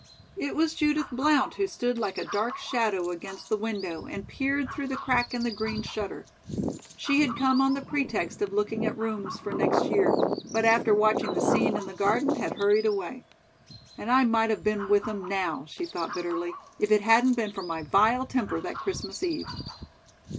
It was Judith Blount who stood like a dark shadow against the window and peered through the crack in the green shutter. She had come on the pretext of looking at rooms for next year, but after watching the scene in the garden had hurried away. "And I might have been with them now," she thought bitterly, "if it hadn't been for my vile temper that Christmas Eve."